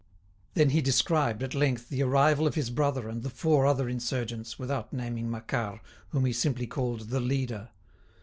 Then he described, at length, the arrival of his brother and the four other insurgents, without naming Macquart, whom he simply called "the leader."